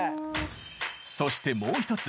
そしてもう１つ。